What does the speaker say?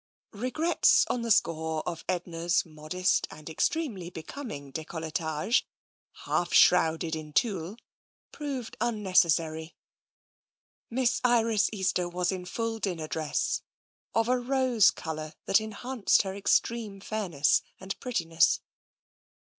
Regrets on the score of Edna's modest and ex tremely becoming decolletage, half shrouded in tulle, proved unnecessary. Miss Iris Easter was in full dinner dress, of a rose colour that enhanced her extreme fairness and prettiness.